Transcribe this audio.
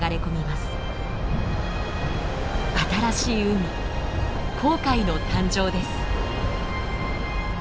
新しい海紅海の誕生です。